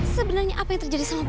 sebenarnya apa yang terjadi sama bapak